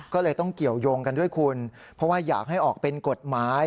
ก็เลยต้องเกี่ยวยงกันด้วยคุณเพราะว่าอยากให้ออกเป็นกฎหมาย